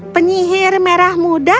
penyihir merah muda